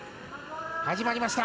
始まりました。